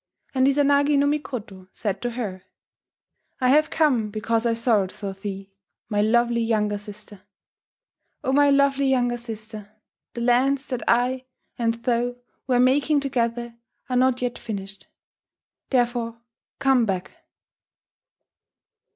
And Izanagi no Mikoto said to her: "I have come because I sorrowed for thee, my lovely younger sister. O my lovely younger sister, the lands that I and thou were making together are not yet finished; therefore come back!"